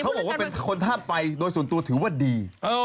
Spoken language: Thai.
บอกว่าเป็นคนธาตุไฟโดยส่วนตัวถือว่าดี